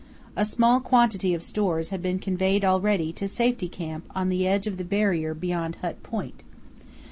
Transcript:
A small quantity of stores had been conveyed already to Safety Camp on the edge of the Barrier beyond Hut Point.